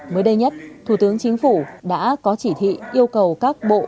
mới đây nhất thủ tướng chính phủ đã có chỉ thị yêu cầu các bộ